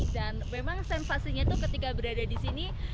dan memang sensasinya tuh ketika berada di sini